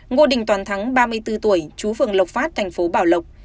ngô đình toàn thắng ba mươi bốn tuổi chú phường lộc phát tp bảo lộc